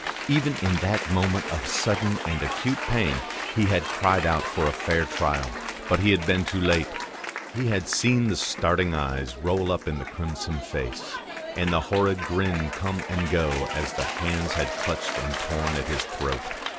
Even in that moment of sudden and acute pain he had cried out for a fair trial; but he had been too late. He had seen the starting eyes roll up in the crimson face, and the horrid grin come and go as the hands had clutched and torn at his throat.